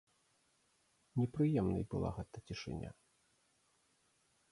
Непрыемнай была гэта цішыня.